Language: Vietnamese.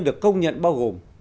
được công nhận bao gồm